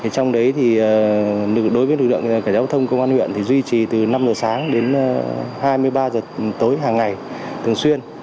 trong đấy thì đối với lực lượng cảnh giáo thông công an huyện duy trì từ năm giờ sáng đến hai mươi ba h tối hàng ngày thường xuyên